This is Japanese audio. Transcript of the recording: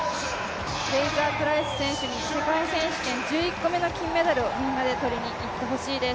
フレイザープライス選手に世界選手権、１１個目の金メダルをみんなで取りにいってほしいです。